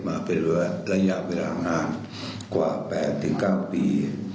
มาเป็นระยะเวลาห่างกว่า๘๙ปี